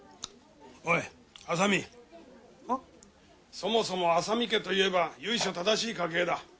そもそも浅見家といえば由緒正しい家系だ。